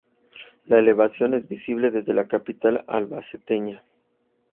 La elevación es visible desde la capital albaceteña.